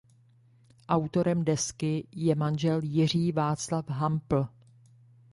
Autorem desky je manžel Jiří Václav Hampl.